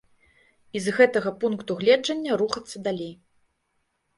І з гэтага пункту гледжання рухацца далей.